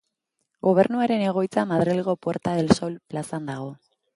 Gobernuaren egoitza Madrilgo Puerta del Sol plazan dago.